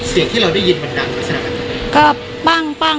เสียงที่เราได้ยินมันดังมันใช่ไหม